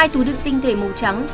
hai túi đựng tinh thể màu trắng